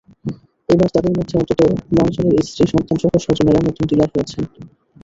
এবার তাঁদের মধ্যে অন্তত নয়জনের স্ত্রী, সন্তানসহ স্বজনেরা নতুন ডিলার হয়েছেন।